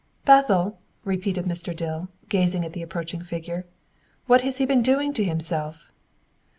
"Bethel!" repeated Mr. Dill, gazing at the approaching figure. "What has he been doing to himself?"